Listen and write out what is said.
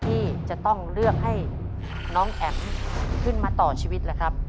ที่จะต้องเลือกให้น้องแอ๋มขึ้นมาต่อชีวิตล่ะครับ